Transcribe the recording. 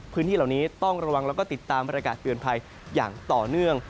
พื้นที่เหล่านี้ต้องระวังแล้วก็ติดตามประกาศเตือนภัยอย่างต่อเนื่อง